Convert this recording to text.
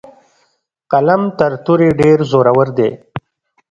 قلم تر تورې ډیر زورور دی.